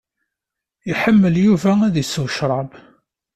Iḥemmel Yuba ad isew ccrab.